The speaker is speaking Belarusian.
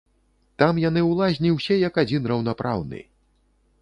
Там яны ў лазні ўсе як адзін раўнапраўны.